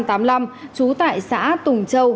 trú tại xã tùng châu